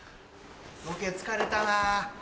ロケ疲れたなぁ。